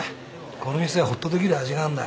この店はほっとできる味があんだ。